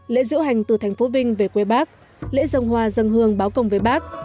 lễ diễu hành từ thành phố vinh về quê bác lễ dòng hoa dân hương báo công với bác